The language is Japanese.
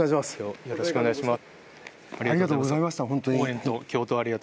よろしくお願いします。